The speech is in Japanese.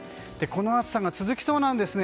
この暑さが続きそうなんです。